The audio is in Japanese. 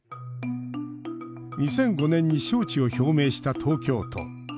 ２００５年に招致を表明した東京都。